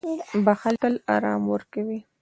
• بښل تل آرام ورکوي.